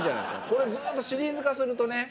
これずっとシリーズ化するとね。